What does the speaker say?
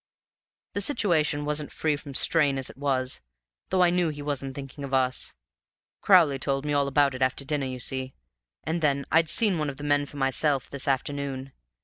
The situation wasn't free from strain as it was, though I knew he wasn't thinking of us. Crowley told me all about it after dinner, you see, and then I'd seen one of the men for myself this afternoon.